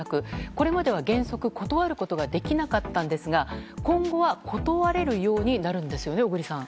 これまでは原則断ることができなかったんですが今後は断れるようになるんですよね、小栗さん。